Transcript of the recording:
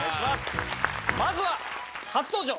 まずは初登場